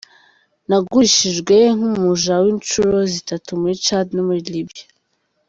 'Nagurishijwe nk'umuja incuro zitatu muri Tchad no muri Libya'.